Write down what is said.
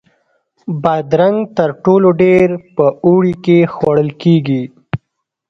بادرنګ تر ټولو ډېر په اوړي کې خوړل کېږي.